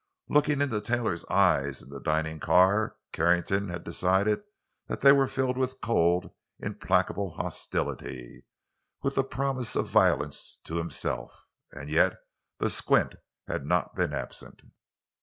Looking into Taylor's eyes in the dining car, Carrington had decided they were filled with cold, implacable hostility, with the promise of violence, to himself. And yet the squint had not been absent.